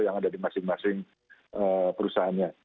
yang ada di masing masing perusahaannya